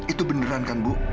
itu beneran kan bu